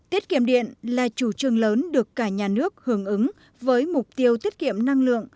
tiết kiệm điện là chủ trương lớn được cả nhà nước hưởng ứng với mục tiêu tiết kiệm năng lượng